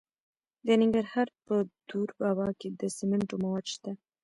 د ننګرهار په دور بابا کې د سمنټو مواد شته.